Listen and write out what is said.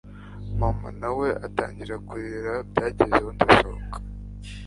mama nawe atangira kurira byagezaho ndasohoka